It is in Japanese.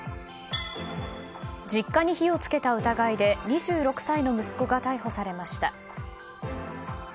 実家に火を付けた疑いで２６歳の息子が逮捕されました。